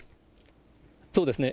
そうですね。